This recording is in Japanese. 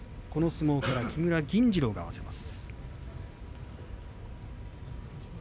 この相撲は木村銀治郎が合わせます。